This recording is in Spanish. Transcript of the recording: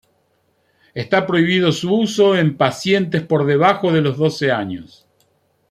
Está prohibido su uso en pacientes por debajo de los doce años.